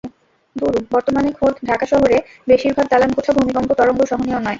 বর্তমানে খোদ ঢাকা শহরে বেশির ভাগ দালানকোঠা ভূমিকম্প তরঙ্গ সহনীয় নয়।